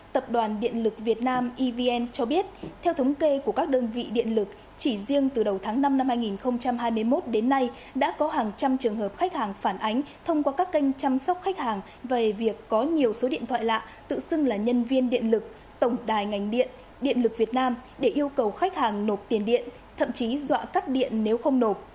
tập đoàn điện lực việt nam evn cho biết theo thống kê của các đơn vị điện lực chỉ riêng từ đầu tháng năm năm hai nghìn hai mươi một đến nay đã có hàng trăm trường hợp khách hàng phản ánh thông qua các kênh chăm sóc khách hàng về việc có nhiều số điện thoại lạ tự xưng là nhân viên điện lực tổng đài ngành điện điện lực việt nam để yêu cầu khách hàng nộp tiền điện thậm chí dọa cắt điện nếu không nộp